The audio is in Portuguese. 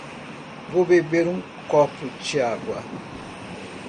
Vou beber um copo de água.